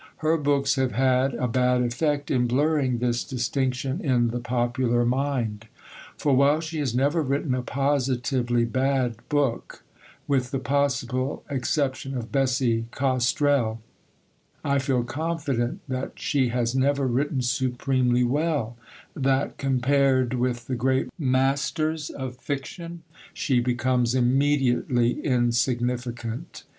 Her books have had a bad effect in blurring this distinction in the popular mind; for while she has never written a positively bad book, with the possible exception of Bessie Costrell, I feel confident that she has never written supremely well; that, compared with the great masters of fiction, she becomes immediately insignificant.